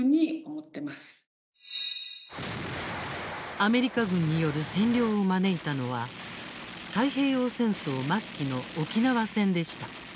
アメリカ軍による占領を招いたのは太平洋戦争末期の沖縄戦でした。